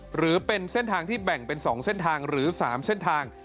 หรือเป็นเส้นทางที่แบ่งเป็น๒เส้นทางหรือ๓เส้นทาง